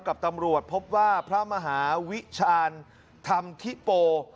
กับตำรวจพบว่าพระมหาวิชาญธรรมธิโป